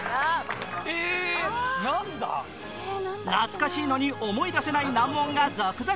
懐かしいのに思い出せない難問が続々！